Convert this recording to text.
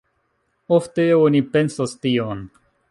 Ofte oni pensas tion.